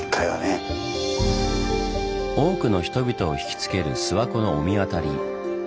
多くの人々をひきつける諏訪湖の御神渡り。